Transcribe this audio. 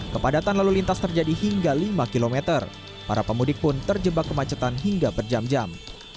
kepadatan lalu lintas terjadi hingga lima km para pemudik pun terjebak kemacetan hingga berjam jam